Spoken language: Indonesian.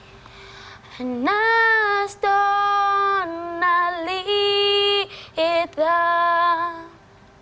iya cual philosophicall getting ya kamu tetep jadi